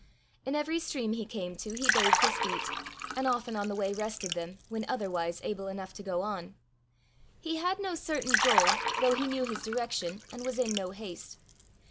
In every stream he came to he bathed his feet, and often on the way rested them, when otherwise able enough to go on. He had no certain goal, though he knew his direction, and was in no haste.